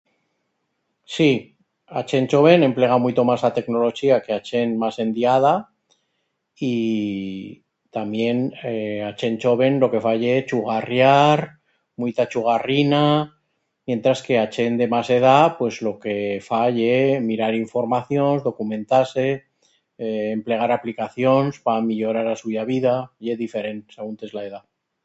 Sí, a chent choven emplega muito mas a tecnolochía que a chent mas endiada y tamién ee a chent choven lo que fa ye chugarriar, muita chugarrina, mientras que a chent de mas edat pues lo que fa ye mirar informacions, documentar-se, ee emplegar aplicacions pa amillorar a suya vida. Ye diferent seguntes la edat.